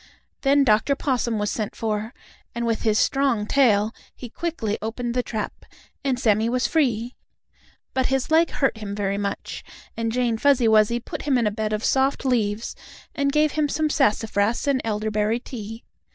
Then Dr. Possum was sent for, and with his strong tail he quickly opened the trap, and Sammie was free. But his leg hurt him very much, and Jane Fuzzy Wuzzy put him in a bed of soft leaves and gave him some sassafras and elderberry tea.